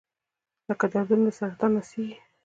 لکه دردونه د سرطان نڅیږي